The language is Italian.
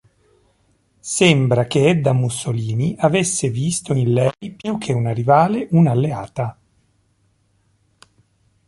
Sembra che Edda Mussolini avesse visto in lei, più che una rivale, un'alleata.